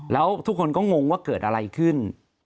แล้วทุกคนก็งงว่าเกิดอะไรขึ้น